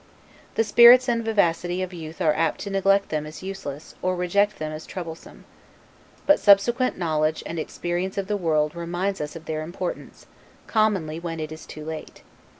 The spirits and vivacity of youth are apt to neglect them as useless, or reject them as troublesome. But subsequent knowledge and experience of the world reminds us of their importance, commonly when it is too late.